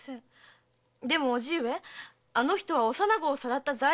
でも叔父上あの人は幼子をさらった罪人ですよ。